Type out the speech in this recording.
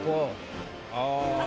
ああ。